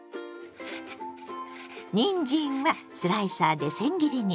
にんじんはスライサーでせん切りにします。